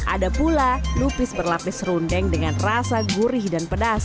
ada pula lupis berlapis rundeng dengan rasa gurih dan pedas